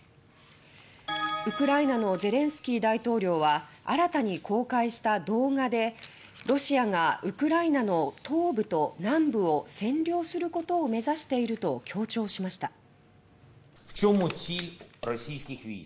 ウクライナのゼレンスキー大統領は新たに公開した動画で「ロシアがウクライナの東部と南部を占領することを目指している」と強調しました。